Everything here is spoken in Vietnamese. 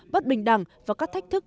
bất bình đẳng và các thách thức